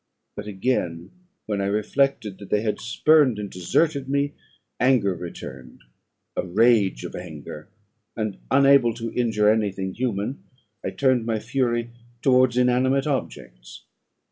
But again, when I reflected that they had spurned and deserted me, anger returned, a rage of anger; and, unable to injure any thing human, I turned my fury towards inanimate objects.